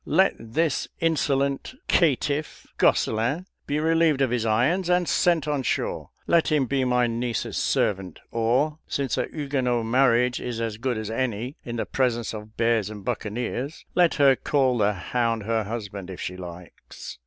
Let this insolent caitiff, Gosselin, be relieved of his irons and sent on shore. Let him be my niece's servant or, since a Huguenot marriage is as good as any in the presence of bears and buccaneers, let her call the hound her husband, if she likes.